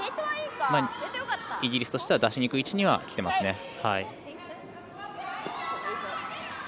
イギリスとしては出しにくい位置にはきてますね。